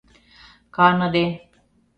Каныде